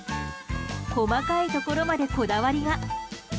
細かいところまでこだわりが。